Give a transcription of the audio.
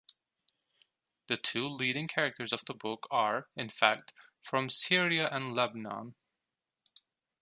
The two leading characters of the book are, in fact, from Syria and Lebanon.